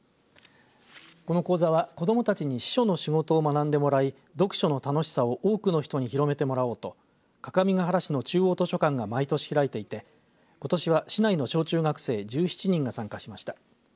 この講座は子どもたちに司書の仕事を学んでもらい読書の楽しさを多くの人に広めてもらおうと各務原市の中央図書館が毎年、開いていてことしは市内の小中学生１７人が参加しました。